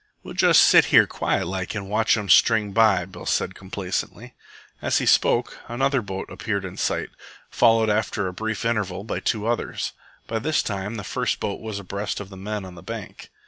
'We'll just sit here quiet like and watch 'em string by," Bill said complacently. As he spoke, another boat appeared in sight, followed after a brief interval by two others. By this time the first boat was abreast of the men on the bank.